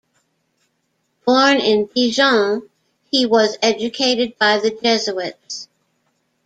Born in Dijon, he was educated by the Jesuits.